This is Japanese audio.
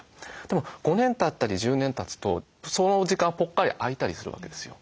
でも５年たったり１０年たつとその時間はぽっかり空いたりするわけですよ。